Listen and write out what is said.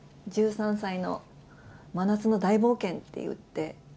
１３歳の真夏の大冒険って言って。